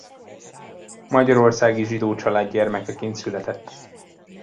Magyarországi zsidó család gyermekeként született.